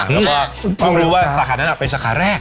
แล้วก็ต้องรู้ว่าสาขานั้นเป็นสาขาแรก